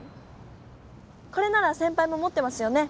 これならせんぱいももってますよね？